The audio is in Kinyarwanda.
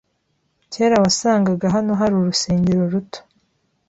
Kera wasangaga hano hari urusengero ruto.